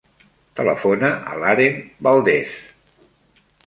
Telefona a l'Aren Valdez.